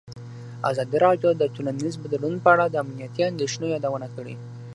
ازادي راډیو د ټولنیز بدلون په اړه د امنیتي اندېښنو یادونه کړې.